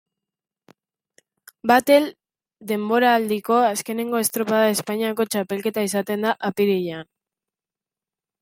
Batel denboraldiko azkenengo estropada Espainiako txapelketa izaten da, apirilean.